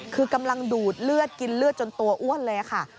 คือกำลังดูดเลือดกินเลือดจนตัวอ้วนเลยค่ะ